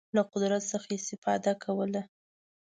له قدرت څخه استفاده کوله.